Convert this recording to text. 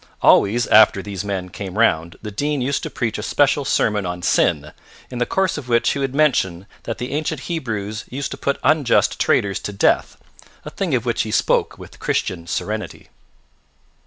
Always after these men came round the Dean used to preach a special sermon on sin, in the course of which he would mention that the ancient Hebrews used to put unjust traders to death, a thing of which he spoke with Christian serenity.